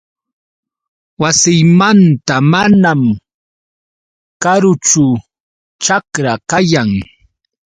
Wasiymanta manam karuchu ćhakra kayan.